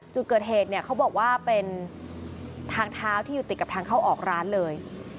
จุดเกิดเหตุเนี่ยเขาบอกว่าเป็นทางเท้าที่อยู่ติดกับทางเข้าออกร้านเลย